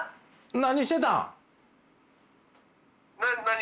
何してたん？